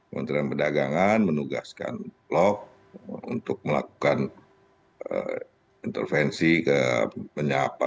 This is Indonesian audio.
menteri perdagangan menugaskan lo untuk melakukan intervensi ke penyapa